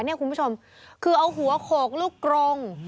คุณผู้ชมคือเอาหัวโขกลูกกรง